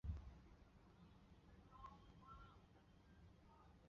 高崎艺术短期大学是过去一所位于日本群马县多野郡吉井町的私立短期大学。